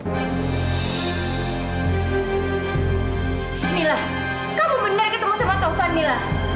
kamilah kamu benar ketemu sama taufan kamilah